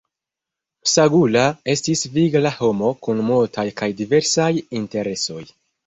Msagula estis vigla homo kun multaj kaj diversaj interesoj.